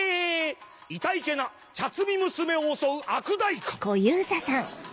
いたいけな茶摘み娘を襲う悪代官。